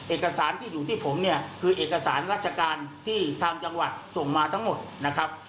เอกสารที่อยู่ที่ผมเนี่ยคือเอกสารราชการที่ทางจังหวัดส่งมาทั้งหมดนะครับ